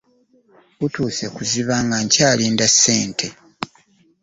Butuuse kuziba nga nkyalinda ssente.